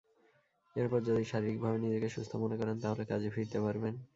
এরপর যদি শারীরিকভাবে নিজেকে সুস্থ মনে করেন, তাহলে কাজে ফিরতে পারবেন।